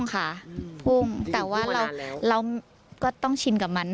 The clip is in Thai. ทีหรือพูกมานานแล้วไปแล้วแต่ว่าเราก็ต้องชินกับมัน